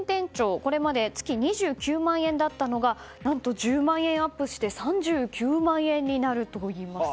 これまで月２９万円だったのが何と１０万円アップして３９万円になるといいます。